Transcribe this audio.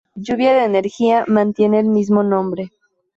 Lluvia de Energía mantiene el mismo nombre.